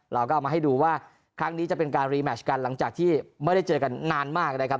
เราก็เอามาให้ดูว่าครั้งนี้จะเป็นการรีแมชกันหลังจากที่ไม่ได้เจอกันนานมากนะครับ